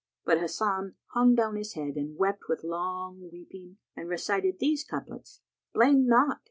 But Hasan hung down his head and wept with long weeping and recited these couplets, "'Blame not!'